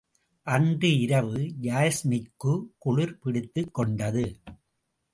அன்று இரவு யாஸ்மிக்குக் குளிர் பிடித்துக் கொண்டது.